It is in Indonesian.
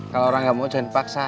kalo orang gak mau jangan paksa